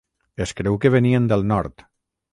Es creu que venien del nord.